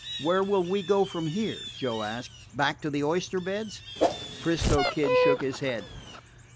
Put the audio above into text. "Where will we go from here?" Joe asked. "Back to the oyster beds?" 'Frisco Kid shook his head.